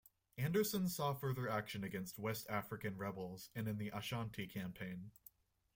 Anderson saw further action against West-African rebels and in the Ashanti Campaign.